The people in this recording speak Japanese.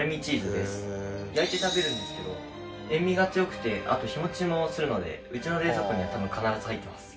焼いて食べるんですけど塩味が強くてあと日持ちもするのでうちの冷蔵庫には多分必ず入ってます。